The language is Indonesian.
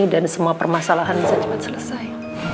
dan semua permasalahan bisa cepat selesai